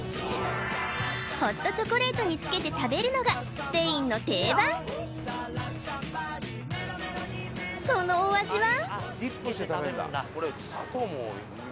ホットチョコレートにつけて食べるのがスペインの定番そのお味は？